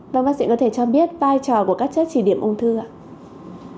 vâng bác sĩ có thể cho biết vai trò của các chất chỉ điểm ung thư ạ